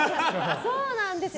そうなんですよ。